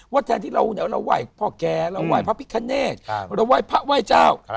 ว่าแทนที่เราเนี่ยเราไหว่พ่อแกเราไหว่พระพิฆเนตเราไหว่พระไหว่เจ้า